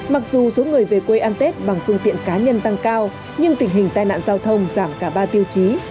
mặc dù số người về quê ăn tết bằng phương tiện cá nhân tăng cao nhưng tình hình tai nạn giao thông giảm cả ba tiêu chí